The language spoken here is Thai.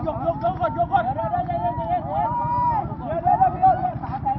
ได้มึงผ่านอีกนิดนึง